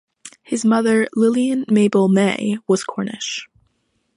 His mother, Lilian Mabel May, was Cornish.